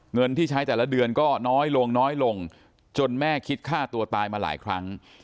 เงินที่ใช้แต่ละเดือนก็น้อยลงน้อยลงจนแม่คิดฆ่าตัวตายมาหลายครั้ง